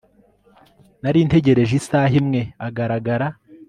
Nari ntegereje isaha imwe agaragara